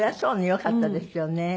よかったですよね。